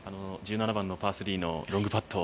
１７番のパー３のロングパット